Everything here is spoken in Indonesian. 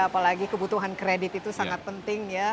apalagi kebutuhan kredit itu sangat penting ya